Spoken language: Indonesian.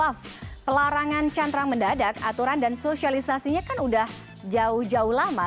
akif aizu pelarangan cantrang mendadak aturan dan sosialisasinya kan sudah jauh jauh lama